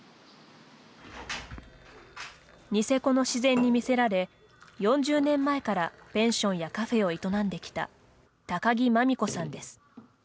ニセコの自然に魅せられ４０年前からペンションやカフェを営んできた高木真美子さんです。